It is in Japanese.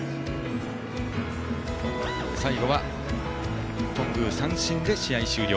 最後は、頓宮が三振で試合終了。